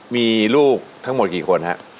มีลูกทั้งหมดกี่คนฮะ